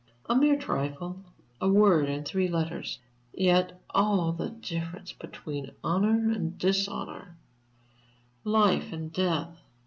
A mere trifle a word in three letters; yet all the difference between honor and dishonor, life and death.